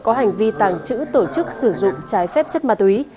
có hành vi tàng trữ tổ chức sử dụng trái phép chất ma túy